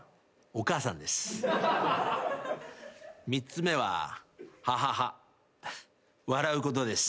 ３つ目は「ハハハ」笑うことです。